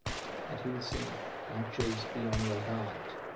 And he would sing: Archers, be on your guard!